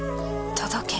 届け。